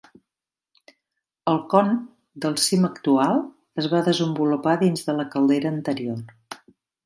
El con del cim actual es va desenvolupar dins de la caldera anterior.